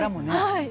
はい。